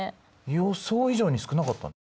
予想以上に少なかった。